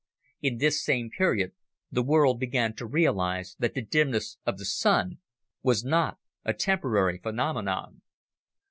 In this same period, the world began to realize that the dimness of the sky was not a temporary phenomenon.